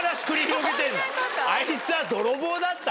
あいつは泥棒だった？